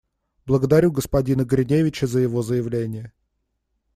Благодарю господина Гриневича за его заявление.